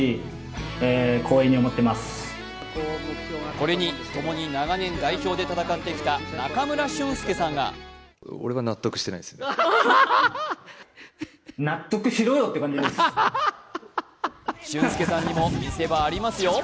これに共に長年代表で戦ってきた中村俊輔さんが俊輔さんにも見せ場ありますよ。